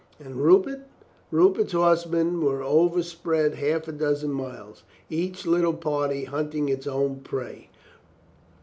And Rupert? Rupert's horsemen were over spread half a dozen miles, each little party hunting its own prey.